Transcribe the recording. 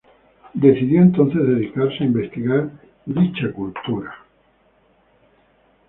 Decidió entonces dedicarse a investigar dicha cultura.